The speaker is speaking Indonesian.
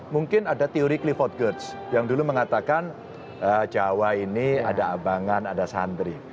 mungkin ada teori cliffort guards yang dulu mengatakan jawa ini ada abangan ada santri